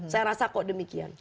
saya rasa kok demikian